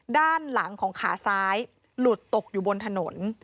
ด้านหลังของขาซ้ายหลุดตกอยู่บนถนน